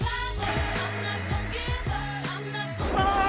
ああ！